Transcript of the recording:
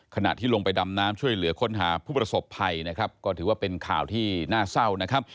ขณะที่ลงไปดำน้ำช่วยเหลือค้นหาผู้ประสบภัยนะครับก็ถือว่าเป็นข่าวที่น่าเศร้านะครับ